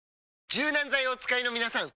柔軟剤をお使いのみなさん！